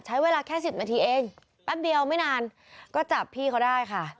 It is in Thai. ใช้เวลาแค่๑๐นาทีเองแป๊บเดียวไม่นานก็จับพี่เขาได้ค่ะ